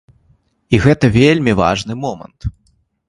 І гэта вельмі важны момант.